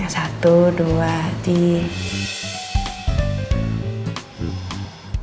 satu dua tiga